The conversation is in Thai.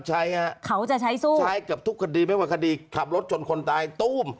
ใช้ฮะเขาจะใช้สู้ใช้เกือบทุกคดีไม่ว่าคดีขับรถชนคนตายตู้ม